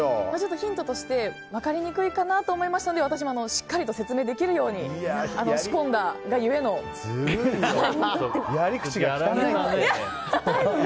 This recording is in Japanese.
ヒントとして分かりにくいかなと思いましたので私もしっかりと説明できるようにずるいよ。